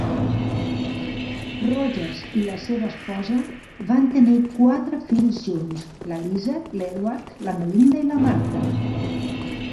Rogers i la seva esposa van tenir quatre fills junts: la Lisa, l'Edward, la Melinda i la Martha.